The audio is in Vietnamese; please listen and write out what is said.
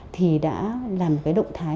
thì đã làm cái động thái